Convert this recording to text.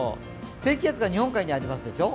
低気圧が日本海にありますでしょ？